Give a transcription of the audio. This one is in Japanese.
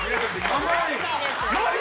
甘い！